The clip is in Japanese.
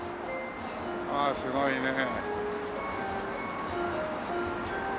ああすごいね。